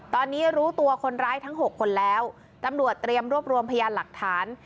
ตอนนี้รู้ตัวคนร้ายทั้ง๖คนแล้วตำรวจเตรียมรวบรวมพยานหลักฐาน